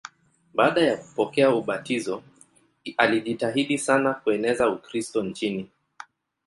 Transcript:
Baada ya kupokea ubatizo alijitahidi sana kueneza Ukristo nchini.